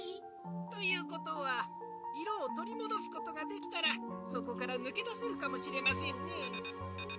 「ということはいろをとりもどすことができたらそこからぬけだせるかもしれませんね」。